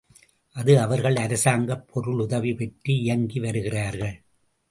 அது அவர்கள் அரசாங்கப் பொருள் உதவி பெற்று இயக்கி வருகிறார்கள்.